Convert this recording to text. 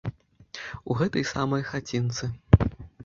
У гэтай самай хацінцы.